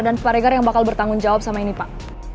dan pak regar yang bakal bertanggung jawab sama ini pak